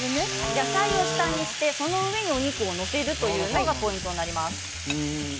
野菜を下にしてその上にお肉を上に載せるというのがポイントになります。